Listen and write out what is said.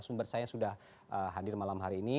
sumber saya sudah hadir malam hari ini